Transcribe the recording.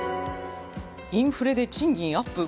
インフレで賃金アップ！？